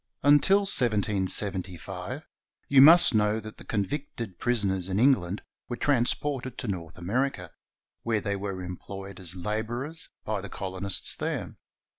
Until 1775, you must know that the convicted prisoners in England were transported to North America, where they were employed as laborers by the colonists there.